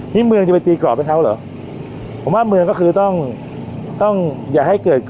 นี่เมืองจะไปตีกรอบให้เขาเหรอผมว่าเมืองก็คือต้องต้องอย่าให้เกิด